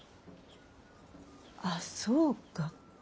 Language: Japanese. あそうか。